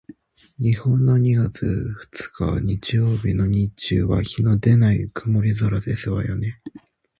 日本の二月二日日曜日の日中は日のでない曇り空ですわよね？